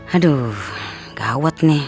aduh gawat nih